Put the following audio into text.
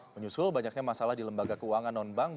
menyusul banyaknya masalah di lembaga keuangan non bank